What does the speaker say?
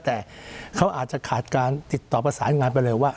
แต่เขาอาจจะขาดการติดต่อประสานงานไปเลยว่า